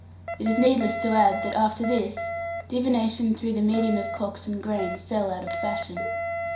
It is needless to add that, after this, divination through the medium of cocks and grain fell out of fashion.